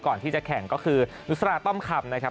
ก่อนที่จะแข่งก็คือนุษราต้อมคำนะครับ